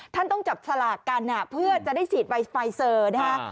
ต้องจับสลากกันเพื่อจะได้ฉีดไวสไฟเซอร์นะฮะ